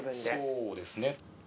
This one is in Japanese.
そうですね。